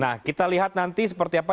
nah kita lihat nanti seperti apa